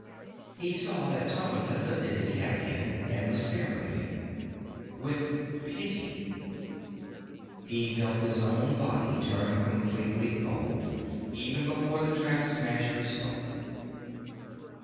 He saw that Thomas had lifted his head again and was staring at him. With pity. He felt his own body turn completely cold even before the Trap Smasher spoke.